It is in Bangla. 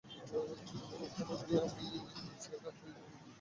এবং ওখানে গিয়ে আমি সেটা হয়ে যাই যা আমি না?